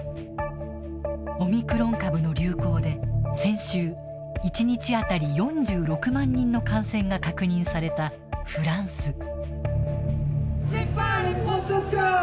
オミクロン株の流行で先週、１日当たり４６万人の感染が確認されたフランス。